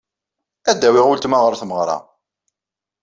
Ad d-awyeɣ weltma ɣer tmeɣra.